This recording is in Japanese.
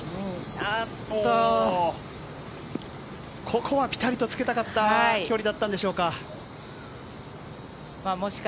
おっと、ここはぴたりとつけたかった距離だったんでしょうか。